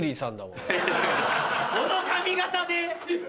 この髪形で？